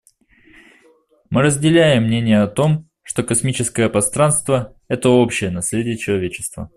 Мы разделяем мнение о том, что космическое пространство − это общее наследие человечества.